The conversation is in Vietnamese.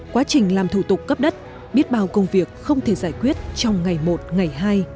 quá trình làm thủ tục cấp đất biết bao công việc không thể giải quyết trong ngày một ngày hai